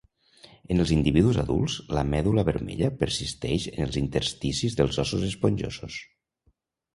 En els individus adults, la medul·la vermella persisteix en els intersticis dels ossos esponjosos.